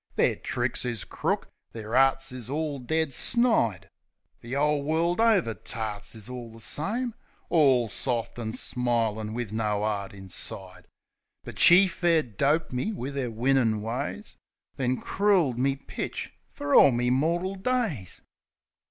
Their tricks is crook, their arts is all dead snide. The 'ole world over tarts is all the same; All soft an' smilin' wiv no 'eart inside. But she fair doped me wiv 'er winnin' ways. Then crooled me pitch fer all me mortal days.